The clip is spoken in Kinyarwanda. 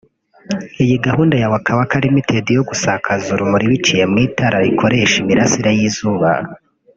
Iyi gahunda ya Waka Waka Ltd yo gusakaza urumuri biciye mu itara rikoresha imirasire y’izuba